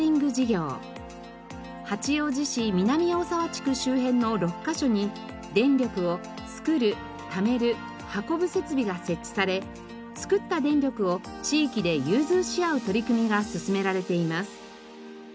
八王子市南大沢地区周辺の６カ所に電力をつくるためる運ぶ設備が設置されつくった電力を地域で融通し合う取り組みが進められています。